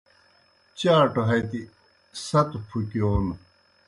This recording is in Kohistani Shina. چاٹوْ ہتیْ ستو پُھکِیون